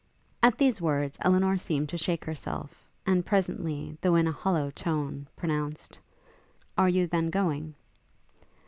At these words Elinor seemed to shake herself, and presently, though in a hollow tone, pronounced, 'Are you then going?'